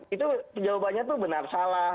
itu jawabannya itu benar salah